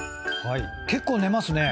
結構寝ますね。